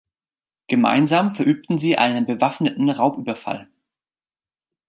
Gemeinsam verübten sie einen bewaffneten Raubüberfall.